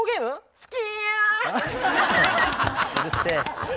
好き！